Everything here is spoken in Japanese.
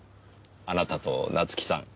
あなたと夏樹さん